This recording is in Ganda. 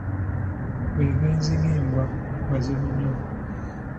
"Be benzi ng’embwa, bazibu nnyo."